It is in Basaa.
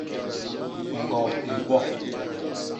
Ñgop i ñkwo.